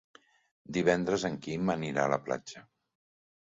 Divendres en Quim anirà a la platja.